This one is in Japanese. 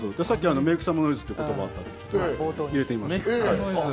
さっき、メークサムノイズって言葉があったんで入れてみました。